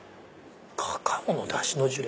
カカオのダシのジュレ？